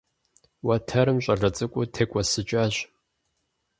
Уэтэрым щӀалэ цӀыкӀур текӀуэсыкӀащ.